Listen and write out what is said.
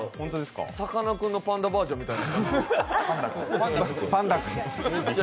さかなクンのパンダバージョンみたい。